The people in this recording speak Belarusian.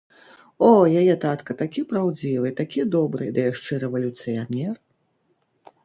О, яе татка такі праўдзівы, такі добры, ды яшчэ рэвалюцыянер!